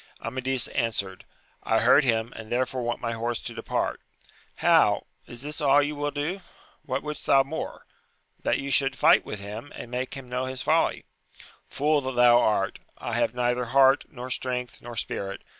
Amadis answered, I heard him, and therefore want my horse to depart. — How ! is this all you will do? — What wouldst thou more? — That you should fight with him, and make him know his folly. — Fool that thou art ! I have neither heart, nor strength, nor spiiit